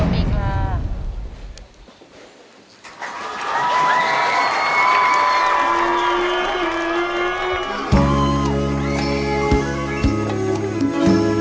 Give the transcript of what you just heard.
มีทุกคนเพราะเธอจ้ะ